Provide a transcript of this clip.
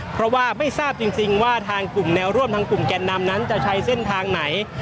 เพราะว่าไม่ทราบจริงว่าทางกลุ่มแนวร่วมทางกลุ่มแก่นนำนั้นจะใช้เส้นทางไหน